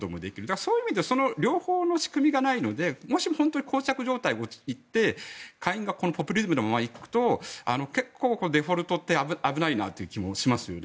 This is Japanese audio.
そういう意味で両方の仕組みがないのでもし本当に膠着状態に陥って下院がポピュリズムのままいくと結構、デフォルトって危ないなっていう気がしますね。